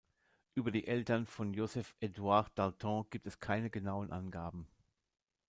Über die Eltern von Joseph Eduard d’Alton gibt es keine genauen Angaben.